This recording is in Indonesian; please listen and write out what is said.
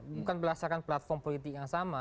bukan berdasarkan platform politik yang sama